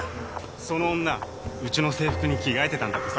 その女うちの制服に着替えてたんだってさ。